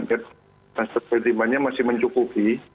mengenai aset pelitimannya masih mencukupi